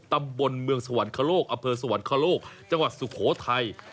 ตำบลเมืองสวรรคโลกอำเภอสวรรคโลกจังหวัดสุโขทัย